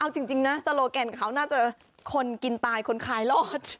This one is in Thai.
เอาจริงนะสโลแกนเขาน่าจะคนกินตายคนคลายรอด